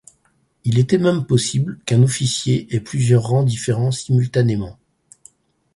Il était même possible qu'un officier ait plusieurs rangs différents simultanément.